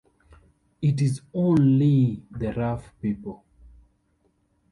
It is only the rough people.